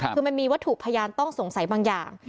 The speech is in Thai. คือมันมีวัตถุพยานต้องสงสัยบางอย่าง